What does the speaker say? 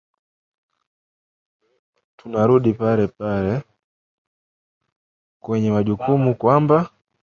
o tunarudi pale pale kwenye majukumu kwamba